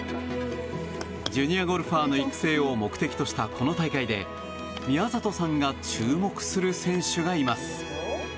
ジュニアゴルファーの育成を目的としたこの大会で宮里さんが注目する選手がいます。